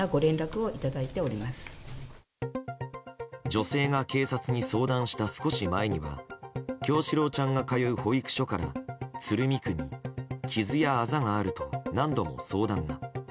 女性が警察に相談した少し前には叶志郎ちゃんが通う保育所から鶴見区に傷やあざがあると何度も相談が。